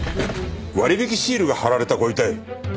割引シールが貼られたご遺体？